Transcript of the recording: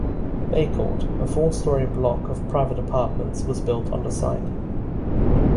Bay Court, a four-storey block of private apartments, was built on the site.